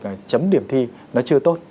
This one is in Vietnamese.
những điểm thi nó chưa tốt